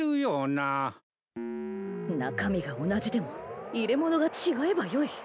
中身が同じでも入れものが違えばよい。